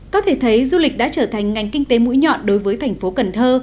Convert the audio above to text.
có thể thấy du lịch đã trở thành ngành kinh tế mũi nhọn đối với thành phố cần thơ